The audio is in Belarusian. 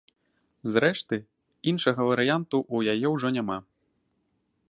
Зрэшты, іншага варыянту ў яе ўжо няма.